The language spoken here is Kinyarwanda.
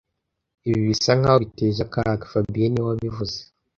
Ibi bisa nkaho biteje akaga fabien niwe wabivuze